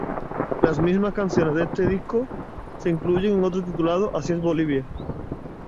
Las mismas canciones de este disco se incluyen en otro titulado "Así es Bolivia".